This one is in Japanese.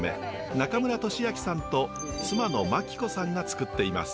中村利昭さんと妻の眞貴子さんがつくっています。